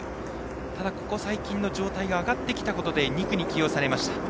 ただ、ここ最近の状態が上がってきたことで２区に起用されました。